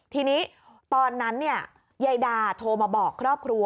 ทีนี้ตอนนั้นยายดาโทรมาบอกครอบครัว